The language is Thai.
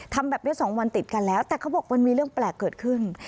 ทำแบบนี้๒วันติดกันแล้วแต่เขาบอกมันมีเรื่องแปลกเกิดขึ้น